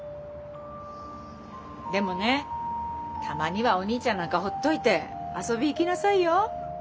でもねたまにはお兄ちゃんなんかほっといて遊び行きなさいよ。